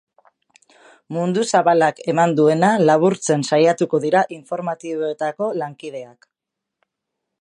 Mundu zabalak eman duena laburtzen saiatuko dira informatiboetako lankideak.